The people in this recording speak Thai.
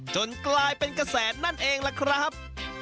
จนกลายเป็นกระแสนั่นเองล่ะครับ